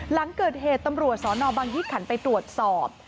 หลังเกิดเหตุตำรวจสนบังยี่ขันไปตรวจสอบ